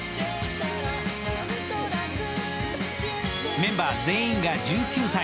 メンバー全員が１９歳。